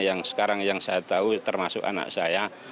yang sekarang yang saya tahu termasuk anak saya